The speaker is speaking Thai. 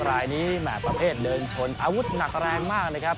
รายนี้แหม่ประเภทเดินชนอาวุธหนักแรงมากนะครับ